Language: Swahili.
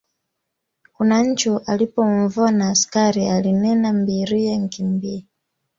Kuna nchu alipomvona askari alinena mbirie nkimbie.